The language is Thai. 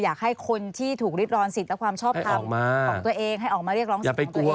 อยากให้คนที่ถูกริดร้อนสิทธิ์และความชอบทำของตัวเองให้ออกมาเรียกร้องสิทธิ์ของตัวเอง